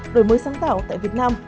đổi mới sáng tạo tại việt nam